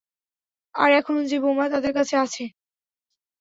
আর এখন যে বোমা তাদের কাছে আছে।